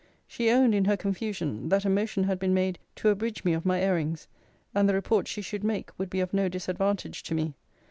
She owned, in her confusion, that a motion had been made to abridge me of my airings; and the report she should make, would be of no disadvantage to me.